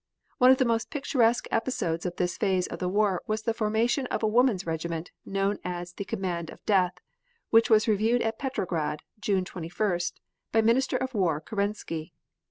One of the most picturesque episodes of this phase of the war was the formation of a woman's regiment, known as the "Command of Death," which was reviewed at Petrograd June 21st, by Minister of War, Kerensky.